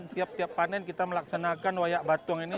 tiap tiap panen kita melaksanakan hoyak batuang ini